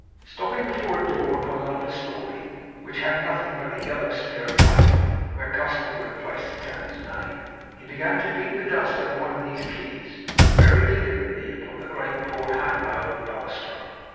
Stopping before a door upon an upper story, which had nothing but a yellow smear of paint where custom would have placed the tenant's name, he began to beat the dust out of one of these keys, very deliberately, upon the great broad handrail of the balustrade.